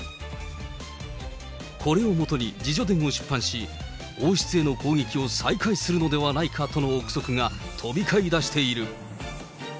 これをもとに自叙伝を出版し、王室への攻撃を再開するのではないかとの臆測が飛び交いだしている。